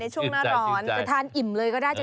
อ๋อชื่นใจในช่วงหน้าร้อนแต่ทานอิ่มเลยก็ได้